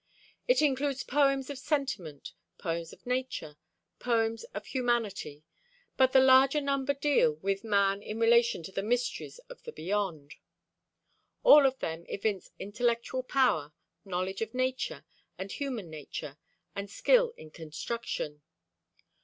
It includes poems of sentiment, poems of nature, poems of humanity; but the larger number deal with man in relation to the mysteries of the beyond. All of them evince intellectual power, knowledge of nature and human nature, and skill in construction.